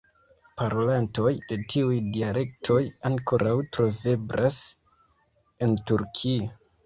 Parolantoj de tiuj dialektoj ankoraŭ troveblas en Turkio.